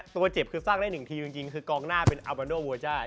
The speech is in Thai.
ตัวเจ็บคือสร้างได้๑ทีจริงคือกองหน้าเป็นอัลบันดอลวัลจ้า